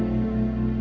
gak nelfon lagi ya